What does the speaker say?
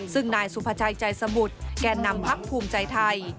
ซึ่งนายสุภาชัยใจสมุทรแก่นำพักภูมิใจไทย